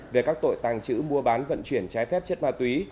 về các tội tàng trữ mua bán vận chuyển trái phép chất ma túy